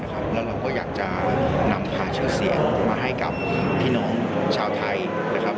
แล้วเราก็อยากจะนำพาชื่อเสียงมาให้กับพี่น้องชาวไทยนะครับ